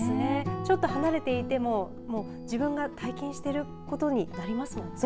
ちょっと離れていても自分が体験していることになりますもんね。